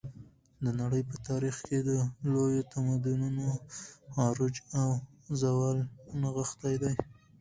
د نړۍ په تاریخ کې د لویو تمدنونو عروج او زوال نغښتی دی.